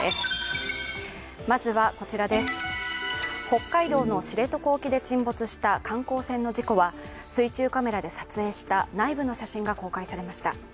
北海道の知床沖で沈没した観光船の事故は水中カメラで撮影した内部の写真が公開されました。